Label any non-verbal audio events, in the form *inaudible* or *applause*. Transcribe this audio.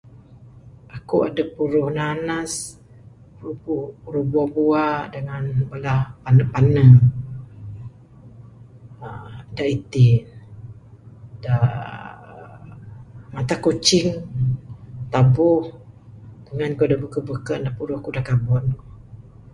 Aku adeh puruh nanas puruh bua dangan bala pane pane uhh da iti da mata kucing *unintelligible* ngan kayuh da beken beken puruh aku da kabon.